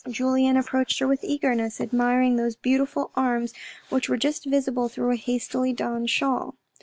Julien approached her with eagerness, admiring those beautiful arms which were just visible through a hastily donned shawl.